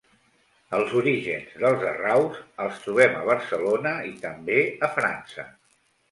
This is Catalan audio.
Els orígens dels Arraus els trobem a Barcelona i, també a França.